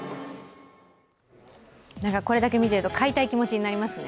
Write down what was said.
これだけ見ていると、買いたい気持ちになりますね。